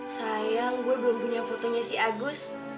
sayang gue belum punya fotonya si agus